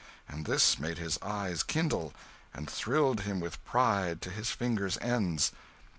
and this made his eyes kindle, and thrilled him with pride to his fingers' ends.